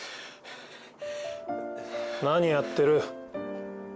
何やってる